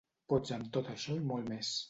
Pots amb tot això i molt més.